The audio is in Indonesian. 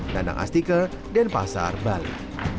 danang astika dan pasar bali